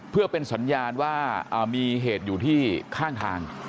เพื่อเป็นสัญญาณว่ามีเหตุอยู่ที่ข้างทาง